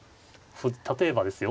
例えばですよ